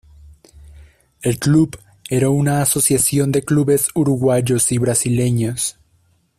El club era una asociación de clubes uruguayos y brasileños.